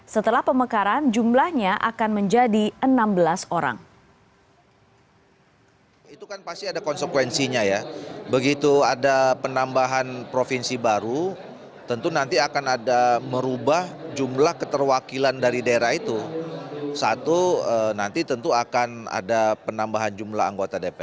setelah pemekaran jumlahnya akan menjadi enam belas orang